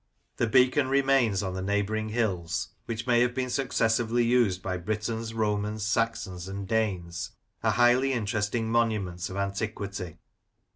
The beacon remains on the neighbouring hills, which may have been successively used by Britons, Romans, Saxons, and Danes, are highly interesting monuments of antiquity.